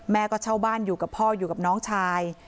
ก็เช่าบ้านอยู่กับพ่ออยู่กับน้องชาย